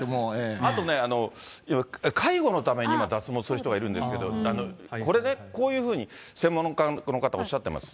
あとね、介護のために今、脱毛する人がいるんですけど、これね、こういうふうに専門の方おっしゃっています。